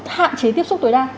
hạn chế tiếp xúc tối đa